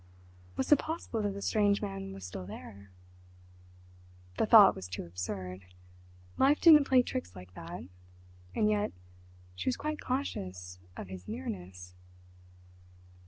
Was it possible that the strange man was still there?... The thought was too absurd—Life didn't play tricks like that—and yet—she was quite conscious of his nearness.